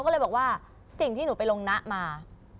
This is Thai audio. ก็เลยบอกว่าสิ่งที่หนูไปลงนะมา